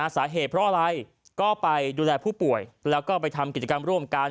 สาเหตุเพราะอะไรก็ไปดูแลผู้ป่วยแล้วก็ไปทำกิจกรรมร่วมกัน